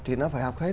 thì nó phải học hết